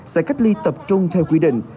sẽ cách ly tập trung theo quy định